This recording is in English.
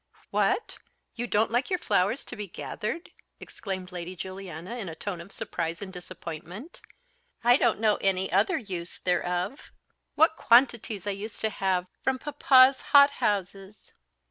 "What! don't you like your flowers to be gathered?" exclaimed Lady Juliana in a tone of surprise and disappointment; "I don't know any other use they're of. What quantities I used to have from Papa's hothouses!"